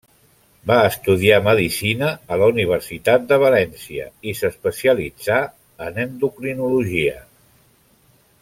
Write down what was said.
Va estudiar medicina a la Universitat de València, i s'especialitzà en endocrinologia.